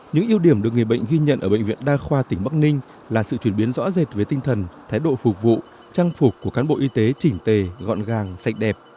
những ưu điểm được người bệnh ghi nhận ở bệnh viện đa khoa tỉnh bắc ninh là sự chuyển biến rõ rệt với tinh thần thái độ phục vụ trang phục của cán bộ y tế chỉnh tề gọn gàng sạch đẹp